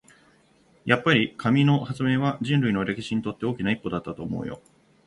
やっぱり、紙の発明は人類の歴史にとって大きな一歩だったと思うよ。